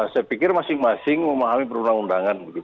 saya pikir masing masing memahami perundang undangan